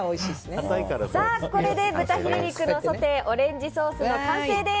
これで豚ヒレ肉のソテーオレンジソースの完成です。